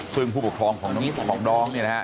ซึ่งผู้ปกครองของน้องนี่นะครับ